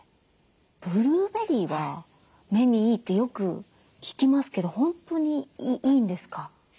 ブルーベリーは目にいいってよく聞きますけど本当にいいんですか？